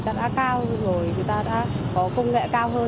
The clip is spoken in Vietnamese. thì mới bị hack thôi